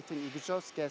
dengan mengurangkan air air